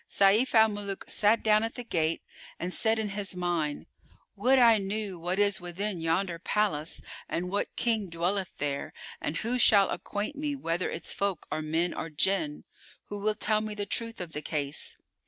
[FN#415] Sayf al Muluk sat down at the gate and said in his mind, "Would I knew what is within yonder palace and what King dwelleth there and who shall acquaint me whether its folk are men or Jinn? Who will tell me the truth of the case?"